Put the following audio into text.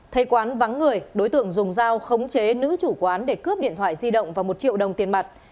thấy quán vắng người đối tượng dùng dao khống chế nữ chủ quán để cướp điện thoại di động và một triệu đồng tiền mặt